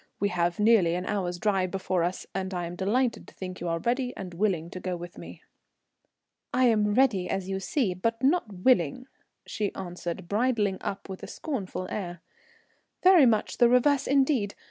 "We have nearly an hour's drive before us, and I am delighted to think that you are ready and willing to go with me." "I am ready, as you see, but not willing," she answered, bridling up with a scornful air. "Very much the reverse indeed.